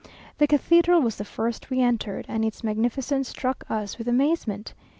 The cathedral was the first we entered, and its magnificence struck us with amazement.